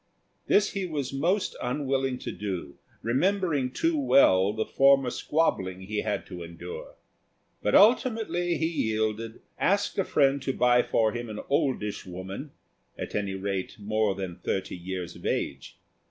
This he was most unwilling to do, remembering too well the former squabbling he had to endure; but ultimately he yielded, asked a friend to buy for him an oldish woman at any rate more than thirty years of age.